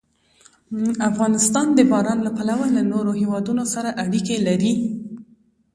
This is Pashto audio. افغانستان د باران له پلوه له نورو هېوادونو سره اړیکې لري.